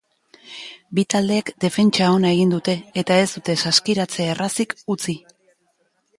Bi taldeek defentsa ona egin dute eta ez dute saskiratze errazik utzi.